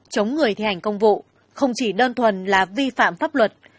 chống người thi hành công vụ không chỉ đơn thuần là vi phạm pháp luật